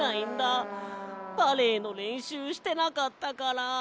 バレエのれんしゅうしてなかったから。